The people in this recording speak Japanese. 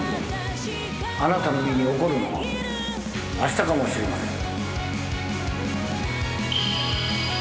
あなたの身に起こるのはあしたかもしれません。